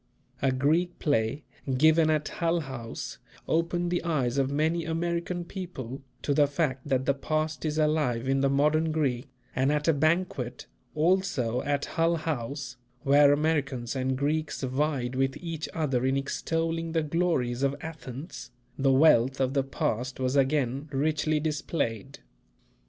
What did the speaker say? A Greek play given at Hull House opened the eyes of many American people to the fact that the past is alive in the modern Greek, and at a banquet, also at Hull House, where Americans and Greeks vied with each other in extolling the glory of Athens, the wealth of the past was again richly displayed.